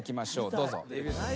どうぞ。